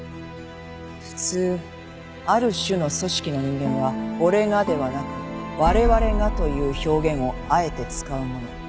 普通ある種の組織の人間は「俺が」ではなく「われわれが」という表現をあえて使うもの。